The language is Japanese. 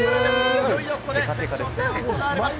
いよいよここで決勝戦が行われます。